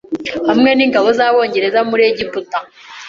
Hamwe n’ingabo z’Abongereza muri Egiputa